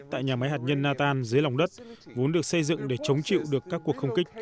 tại nhà máy hạt nhân natan dưới lòng đất vốn được xây dựng để chống chịu được các cuộc không kích